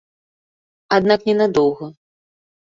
Аднак не на доўга.